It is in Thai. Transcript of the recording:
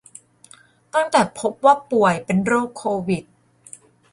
ตั้งแต่พบว่าป่วยเป็นโรคโควิด